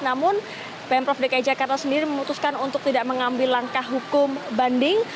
namun pemprov dki jakarta sendiri memutuskan untuk tidak mengambil langkah hukum banding